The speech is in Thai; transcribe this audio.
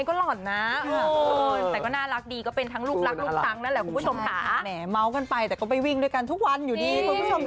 จะร้อนนะเออแต่ก็น่ารักดีก็เป็นทั้งลูกรักลูกตั้งน่ะผมผิดเขิมตาแหมเมาส์กันไปที่